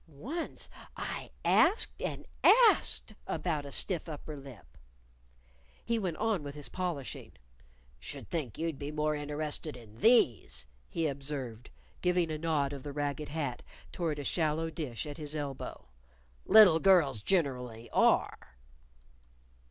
"Once I asked and asked about a stiff upper lip." He went on with his polishing. "Should think you'd be more interested in these," he observed, giving a nod of the ragged hat toward a shallow dish at his elbow. "Little girls generally are."